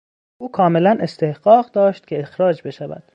او کاملا استحقاق داشت که اخراج بشود.